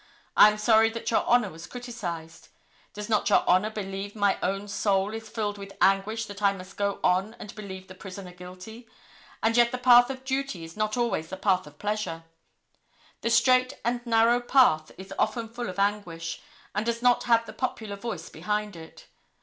I am sorry that Your Honor was criticised. Does not Your Honor believe my own soul is filled with anguish that I must go on and believe the prisoner guilty, and yet the path of duty is not always the path of pleasure. The straight and narrow path is often full of anguish, and does not have the popular voice behind it.